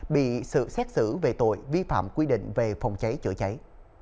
bị sự xét xử về tội vi phạm quy định về phòng cháy chữa cháy